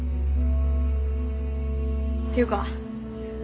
っていうか